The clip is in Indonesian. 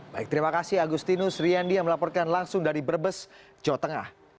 baik terima kasih agustinus riendi yang melaporkan langsung dari brebes jawa tengah